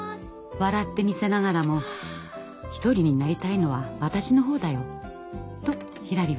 笑ってみせながらも一人になりたいのは私の方だよとひらりは思っていました。